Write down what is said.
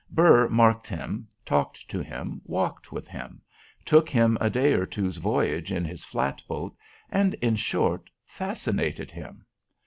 Burr marked him, talked to him, walked with him, took him a day or two's voyage in his flat boat, and, in short, fascinated him.